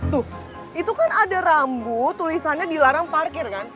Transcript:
tuh itu kan ada rambu tulisannya dilarang parkir kan